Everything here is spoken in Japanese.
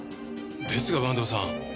ですが坂東さん。